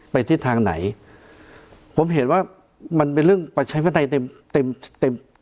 ไปทิศทางไหนผมเห็นว่ามันเป็นเรื่องปลัดใช้ภัยเต็ม